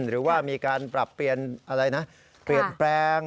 หรือว่ามีการปรับเปลี่ยนแปลง